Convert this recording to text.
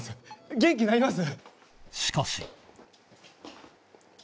元気になります？